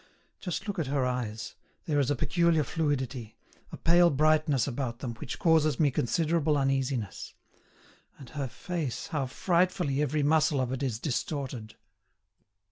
Just look at her eyes: there is a peculiar fluidity, a pale brightness about them which causes me considerable uneasiness. And her face, how frightfully every muscle of it is distorted!"